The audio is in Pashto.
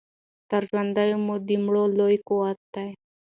تر ژوندیو مو د مړو لوی قوت دی